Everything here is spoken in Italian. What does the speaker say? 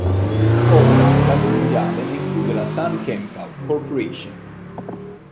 Opera su base mondiale e include la Sun Chemical corporation.